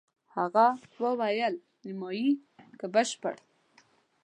هغه وویل: نیمایي که بشپړ؟